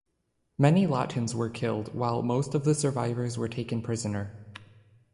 Many Latins were killed, while most of the survivors were taken prisoner.